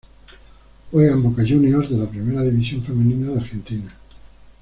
Juega en Boca Juniors de la Primera División Femenina de Argentina.